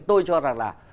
tôi cho rằng là